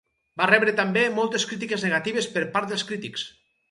Va rebre també moltes crítiques negatives per part dels crítics.